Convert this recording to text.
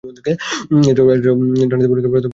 এছাড়াও ডানহাতে বোলিংয়ে পারদর্শী ছিলেন তিনি।